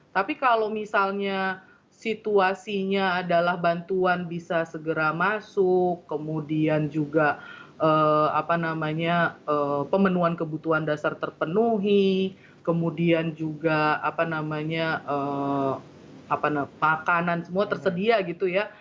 tapi kalau misalnya situasinya adalah bantuan bisa segera masuk kemudian juga pemenuhan kebutuhan dasar terpenuhi kemudian juga apa namanya makanan semua tersedia gitu ya